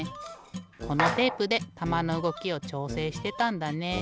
このテープでたまのうごきをちょうせいしてたんだね。